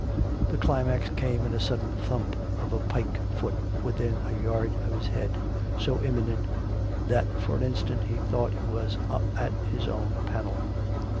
The climax came in a sudden thump of a pike foot within a yard of his head, so imminent, that for an instant he thought it was at his own panel.